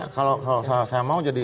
kalau saya mau jadi